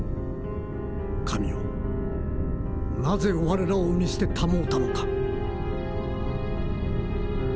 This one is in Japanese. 神よなぜ我らを見捨てたもうたのか」。